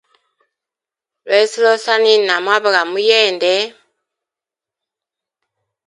Lweso losaniya na mabwe ga muyende.